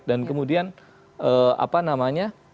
dan kemudian apa namanya